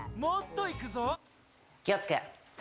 気をつけ！